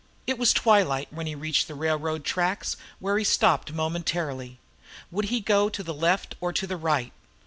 It was twilight when he reached the railroad tracks, where he stopped momentarily. Would he go to the left or to the right?